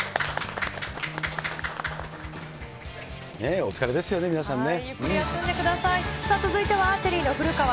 お疲れですよね、皆さんね。